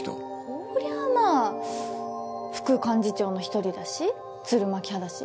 そりゃまあ副幹事長の１人だし鶴巻派だし。